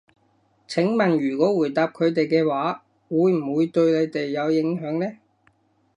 請問如果回答佢哋嘅話，會唔會對你哋有影響呢？